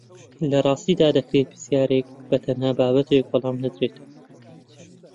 لە ڕاستیدا دەکرێت پرسیارێک بە تەنها بابەتێک وەڵام نەدرێتەوە